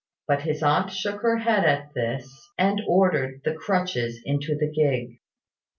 But his aunt shook her head at this, and ordered the crutches into the gig.